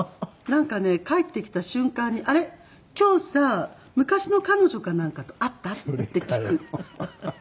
なんかね帰ってきた瞬間に「あれ？今日さ昔の彼女かなんかと会った？」。